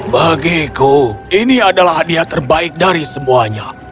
bagiku ini adalah hadiah terbaik dari semuanya